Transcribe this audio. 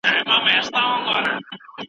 ولې تاریخ په افغانستان کي تحریف سو؟